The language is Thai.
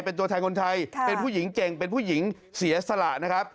เป็นตัวแทนคนไทยเป็นผู้หญิงเก่งเป็นผู้หญิงเสียสละนะครับ